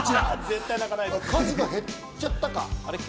数が減っちゃったか？